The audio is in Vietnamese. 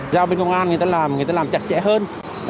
giao bên công an người ta làm người ta làm chặt chẽ hơn